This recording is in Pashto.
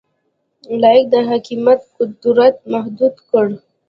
لاک د حاکمیت قدرت محدود کړ.